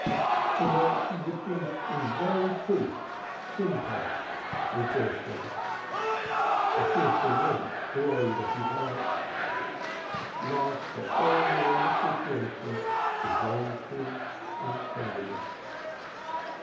To night she would be in very truth Simcha rejoicing. A cheerful warmth glowed at his heart, love for all the wonderful Creation dissolved him in tenderness.